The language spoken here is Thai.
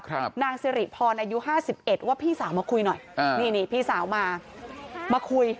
นางสิริพรอายุห้าสิบเอ็ดว่าพี่สาวมาคุยหน่อยอ่านี่นี่พี่สาวมามาคุย